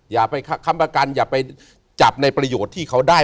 อย่าไปค้ำประกันอย่าไปจับในประโยชน์ที่เขาได้